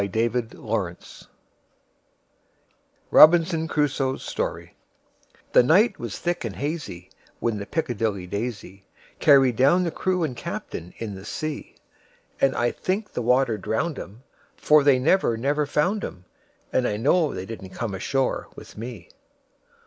Carryl1841–1920 Robinson Crusoe's Story THE NIGHT was thick and hazyWhen the "Piccadilly Daisy"Carried down the crew and captain in the sea; And I think the water drowned 'em; For they never, never found 'em, And I know they didn't come ashore with me.